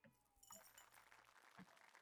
Shuncha ishni qilishibdi ular.